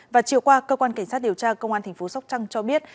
và chiều qua cơ quan cảnh sát điều tra công an tp sóc trăng cho biết